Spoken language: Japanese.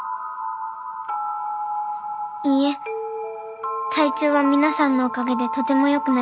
いいえ体調は皆さんのおかげでとてもよくなりましたよ。